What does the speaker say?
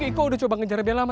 iko udah coba ngejar bella ma